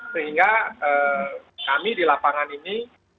sehingga kami di lapangan ini